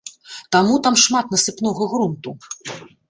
Таму там шмат насыпнога грунту.